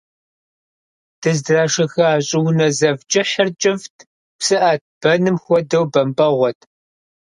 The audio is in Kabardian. Дыздрашэха щӏыунэ зэв кӏыхьыр кӏыфӏт, псыӏэт, бэным хуэдэу бэмпӏэгъуэт.